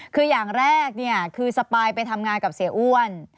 คืออย่างแรกคือสปายไปทำงานกับเสียอ้วน